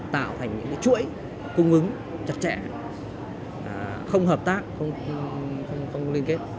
tạo thành những chuỗi cung ứng chặt chẽ không hợp tác không liên kết